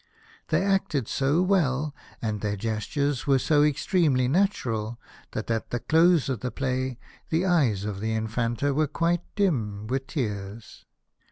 They acted so well, and their gestures were so extremely natural, that at the close of the play the eyes of the Infanta were quite dim 3 6 The Birthday of the Infanta. with tears.